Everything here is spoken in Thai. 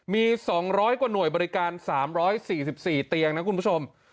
มี๒๐๐กว่าหน่วยบริการ๓๔๔เตียงนะคุณผู้ชม